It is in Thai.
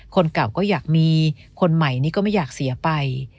คนเก่าก็อยากมีคนใหม่นี่ก็ไม่อยากเสียไป